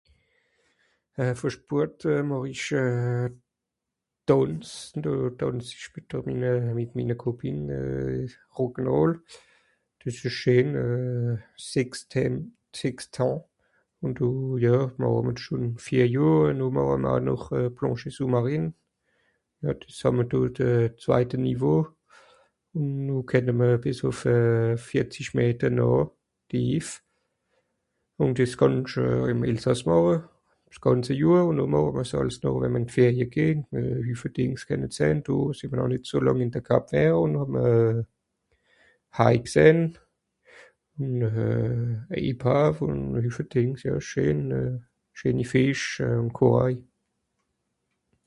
Euh fer Sport màch ich Tànz... Tànzspektàkel mìt minne Copines Rock'n'Roll. Dìs ìsch scheen sechs tääm... sechs temps, ùn do ja màche mr schon vìer Johr ùn noh màche mr noch Plongé sous marine, (...) zweite Niveau. Noh kenne mr bìs ùff vìerzisch metter nàà tief. Ùn dìs kànnsch ìm Elsàss màche, s'gànze Johr ùn noh màche mr's àls noch we'mr ìn d'Ferie gehn, e Hüffe Dìngs kenne sehn, do sìì mr noh nìt so làng ìn de Cap Vert ùn hàn Hai gsehn ùn e Epave ùn e Hüffe Dìngs ja scheen... scheeni Fìsch ùn Corail.